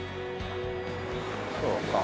そうか。